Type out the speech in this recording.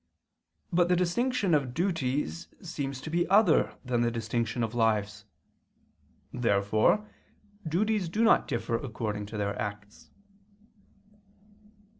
But the distinction of duties seems to be other than the distinction of lives. Therefore duties do not differ according to their acts.